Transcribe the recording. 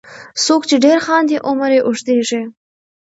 • څوک چې ډېر خاندي، عمر یې اوږدیږي.